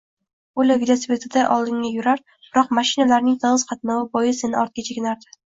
U velosipedida oldinga yurar, biroq mashinalarning tig`iz qatnovi bois yana ortga chekinardi